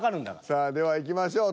さあではいきましょう。